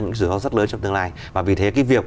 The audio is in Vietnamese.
những rủi ro rất lớn trong tương lai và vì thế cái việc